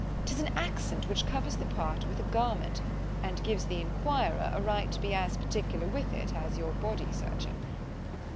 —'tis an accent which covers the part with a garment, and gives the enquirer a right to be as particular with it, as your body surgeon.